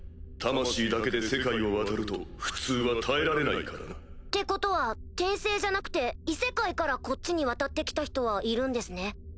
魂だけで世界を渡ると普通は耐えられないからな。ってことは転生じゃなくて異世界からこっちに渡って来た人はいるんですね？